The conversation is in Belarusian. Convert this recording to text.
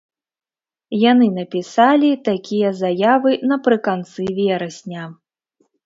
Яны напісалі такія заявы напрыканцы верасня.